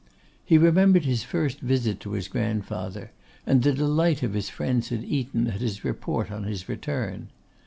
He remembered his first visit to his grandfather, and the delight of his friends at Eton at his report on his return.